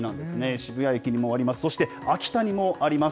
渋谷駅にもあります。